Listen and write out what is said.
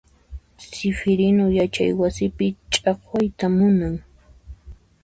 Sifirinu yachay wasipi chaqwayta munan.